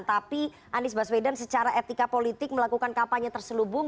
tapi anies baswedan secara etika politik melakukan kampanye terselubung